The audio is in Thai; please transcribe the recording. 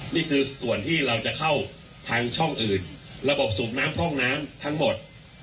นี่คือส่วนที่เราจะเข้าทางช่องอื่นระบบสูบน้ำท่องน้ำทั้งหมด